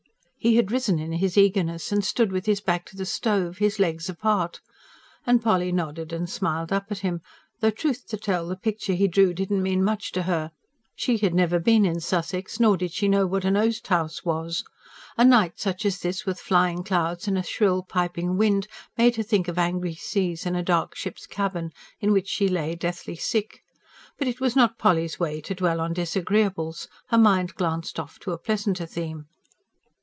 He had risen in his eagerness, and stood with his back to the stove, his legs apart. And Polly nodded and smiled up at him though, truth to tell, the picture he drew did not mean much to her: she had never been in Sussex, nor did she know what an oast house was. A night such as this, with flying clouds and a shrill, piping wind, made her think of angry seas and a dark ship's cabin, in which she lay deathly sick. But it was not Polly's way to dwell on disagreeables: her mind glanced off to a pleasanter theme.